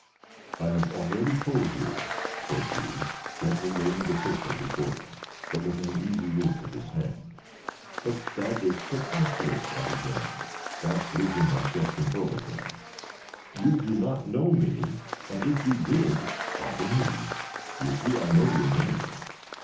"I have already told you," said he, gently laying the pistol before him, but within easy reach of his hand. "But that is preposterous," I began, fast losing my self control again. "You do not know me, and if you did " "Pardon me, you see I know your name."